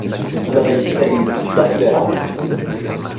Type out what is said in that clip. Una ventina di minuti basteranno.